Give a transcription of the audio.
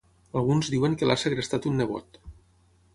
Alguns diuen que l'ha segrestat un nebot.